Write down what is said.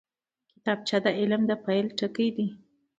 کتابچه د علم د پیل ټکی دی